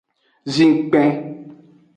Zinkpen.